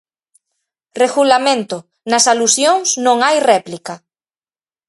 Regulamento, nas alusións non hai réplica.